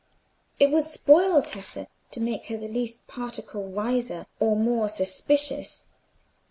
It would spoil Tessa to make her the least particle wiser or more suspicious.